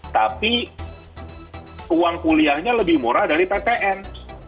tapi uang kuliahnya lebih murah dari ptn